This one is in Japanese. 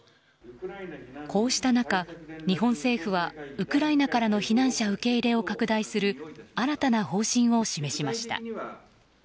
こうした中、日本政府はウクライナからの避難者受け入れを拡大する新たな方針を示しました。